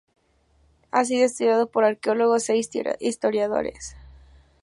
Ha sido estudiado por arqueólogos e historiadores.